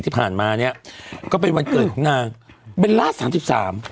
ที่ผ่านมาเนี้ยก็เป็นวันเกิดของนางเบลล่าสามสิบสาม